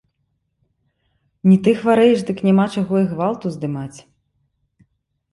Не ты хварэеш, дык няма чаго і гвалт уздымаць.